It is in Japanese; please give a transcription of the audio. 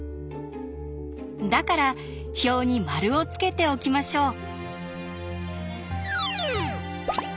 だから表にマルをつけておきましょう。